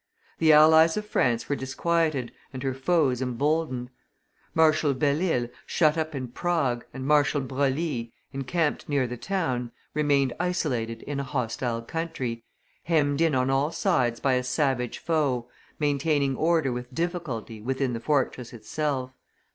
The allies of France were disquieted and her foes emboldened. Marshal Belle Isle, shut up in Prague, and Marshal Broglie, encamped near the town, remaining isolated in a hostile country, hemmed in on all sides by a savage foe, maintaining order with difficulty within the fortress itself.